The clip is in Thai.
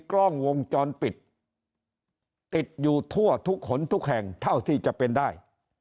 กล้องวงจรปิดติดอยู่ทั่วทุกขนทุกแห่งเท่าที่จะเป็นได้